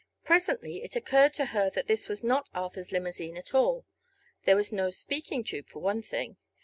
Presently it occurred to her that this was not Arthur's limousine at all. There was no speaking tube for one thing.